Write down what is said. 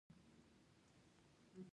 قطب نما سمت معلوموي